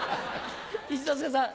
一之輔さん。